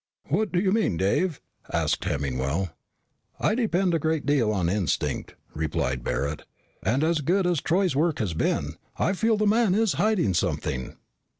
"What do you mean, Dave?" asked Hemmingwell. "I depend a great deal on instinct," replied Barret. "And as good as Troy's work has been, I feel the man is hiding something."